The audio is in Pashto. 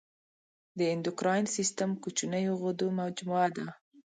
د اندوکراین سیستم کوچنیو غدو مجموعه ده.